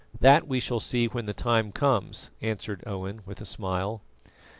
"That we shall see when the time comes," answered Owen, with a smile.